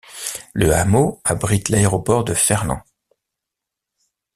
Le hameau abrite l'Aéroport de Ferland.